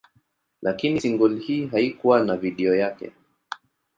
Lakini single hii haikuwa na video yake.